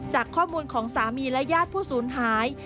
จากข้อมูลของสามีและญาติผู้สูญหาย